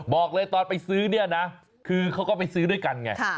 บอกเลยตอนไปซื้อคือเขาก็ไปซื้อด้วยกัน